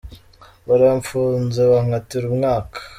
Baramfunze bankatira umwaka.